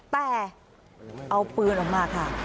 แต่เอาปืนออกมาค่ะ